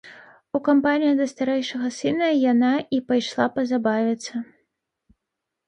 У кампанію да старэйшага сына яна і пайшла пазабавіцца.